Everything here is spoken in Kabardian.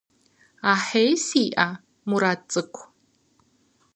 Ахьей сиӀэ, Мурат цӀыкӀу.